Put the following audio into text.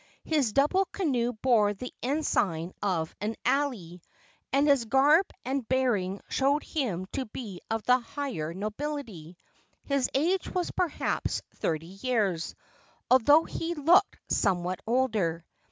His double canoe bore the ensign of an alii, and his garb and bearing showed him to be of the higher nobility. His age was perhaps thirty years, although he looked somewhat older.